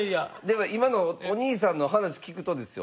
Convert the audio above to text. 今のお兄さんの話聞くとですよ